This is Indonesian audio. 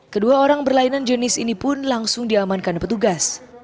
kedua orang berlainan jenis ini pun langsung diamankan petugas